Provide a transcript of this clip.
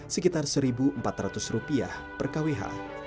sekitar satu empat ratus rupiah